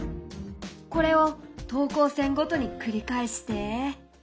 これを等高線ごとに繰り返して。